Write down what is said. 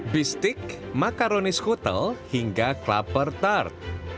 bistik makaroni skutel hingga klaper tart